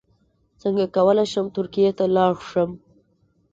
څنګه کولی شم ترکیې ته لاړ شم